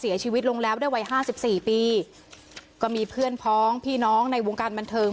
เสียชีวิตลงแล้วด้วยวัยห้าสิบสี่ปีก็มีเพื่อนพ้องพี่น้องในวงการบันเทิง